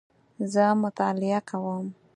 زه مطالعه کوم